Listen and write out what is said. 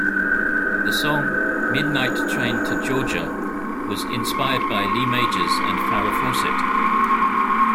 The song "Midnight Train to Georgia" was inspired by Lee Majors and Farrah Fawcett.